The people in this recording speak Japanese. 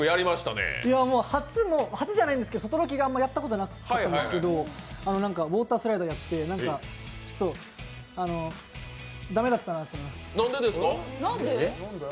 初じゃないんですけど外ロケがあんまりやったことなかったんですけどウォータースライダーやってちょっと駄目だったなって思います。